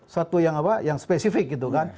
suatu yang apa yang spesifik gitu kan